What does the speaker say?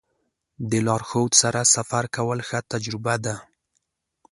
د لارښود سره سفر کول ښه تجربه ده.